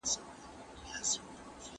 ولي په هرات کي کرنیز صنعت پراخ سوی دی؟